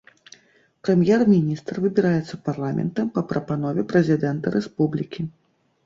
Прэм'ер-міністр выбіраецца парламентам па прапанове прэзідэнта рэспублікі.